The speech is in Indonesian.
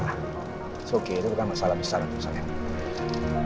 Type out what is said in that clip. it's okay itu bukan masalah besar atau masalah enak